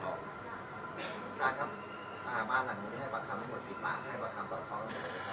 ทำไมบอกความปลอดภัแลกลุง